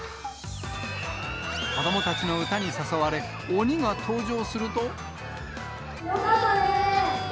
子どもたちの歌に誘われ、鬼が登場すると。